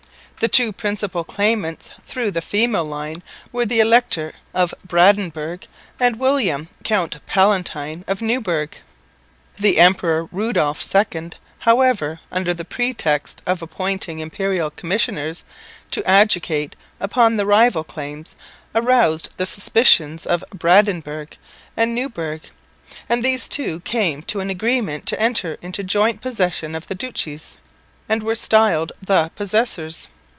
The two principal claimants through the female line were the Elector of Brandenburg and William, Count Palatine of Neuburg. The Emperor Rudolph II, however, under the pretext of appointing imperial commissioners to adjudicate upon the rival claims, aroused the suspicions of Brandenburg and Neuburg; and these two came to an agreement to enter into joint possession of the duchies, and were styled "the possessors."